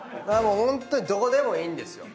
ホントにどこでもいいんですよ。